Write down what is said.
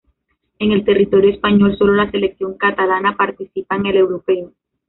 En el territorio español sólo la selección catalana participa en el europeo.